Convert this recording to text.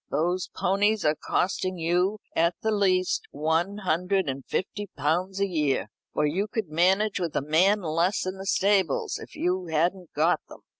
Those ponies are costing you at the least one hundred and fifty pounds a year, for you could manage with a man less in the stables if you hadn't got them."